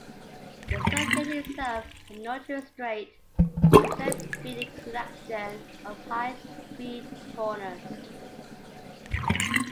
The circuit itself had no true straight, instead being a collection of high-speed corners.